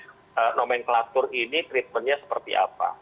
jadi nomenklatur ini treatmentnya seperti apa